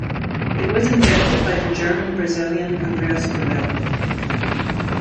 It was invented by the German-Brazilian Andreas Pavel.